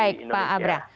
baik pak abra